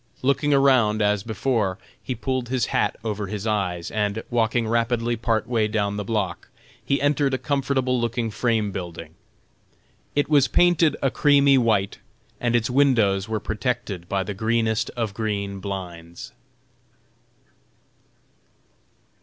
Looking around, as before, he pulled his hat over his eyes, and, walking rapidly part way down the block, he entered a comfortable looking frame building. It was painted a creamy white, and its windows were protected by the greenest of green blinds.